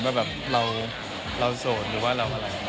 ว่าแบบเราโสดหรือว่าเราอะไร